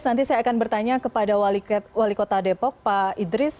nanti saya akan bertanya kepada wali kota depok pak idris